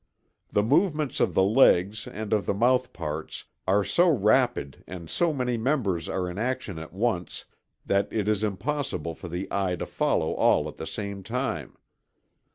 The movements of the legs and of the mouthparts are so rapid and so many members are in action at once that it is impossible for the eye to follow all at the same time.